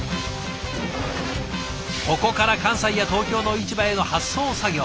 ここから関西や東京の市場への発送作業。